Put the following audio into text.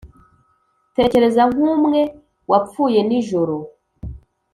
tekereza nk'umwe wapfuye nijoro